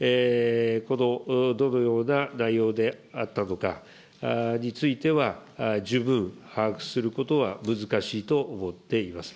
どのような内容であったのかについては、十分把握することは難しいと思っています。